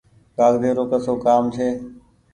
ڪآگزي رو ڪسو ڪآم ڇي ۔